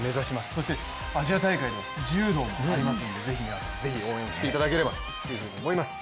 そしてアジア大会に柔道もありますので、是非皆さん応援していただければと思います。